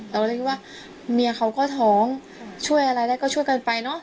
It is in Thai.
เราก็เลยคิดว่าเมียเขาก็ท้องช่วยอะไรได้ก็ช่วยกันไปเนอะ